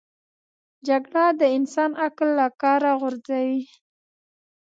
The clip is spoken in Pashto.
جګړه د انسان عقل له کاره غورځوي